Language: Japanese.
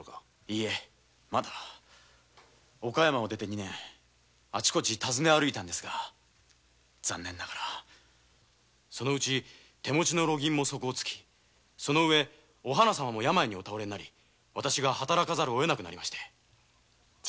いえ岡山を出て二年アチコチ尋ね歩いたんですが残念ながら手持ちの金も底をつきその上お花様が病でお倒れになり私が働かざるを得なくなりまして。